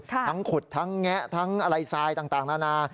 ทั้งขุดทั้งแงะทั้งอะไรทรายต่างนานา